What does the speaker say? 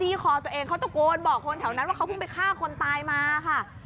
คอตัวเองเขาตะโกนบอกคนแถวนั้นว่าเขาเพิ่งไปฆ่าคนตายมาค่ะ